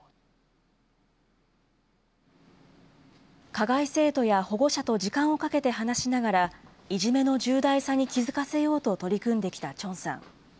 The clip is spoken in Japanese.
加害生徒や保護者と時間をかけて話しながら、いじめの重大さに気付かせようと取り組んできたチョンさん。